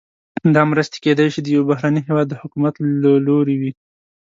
دا مرستې کیدای شي د یو بهرني هیواد د حکومت له لوري وي.